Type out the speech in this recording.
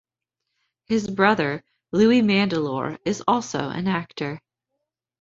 His brother, Louis Mandylor, is also an actor.